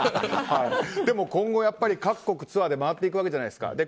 でも今後、各国をツアーで回っていくわけじゃないですか。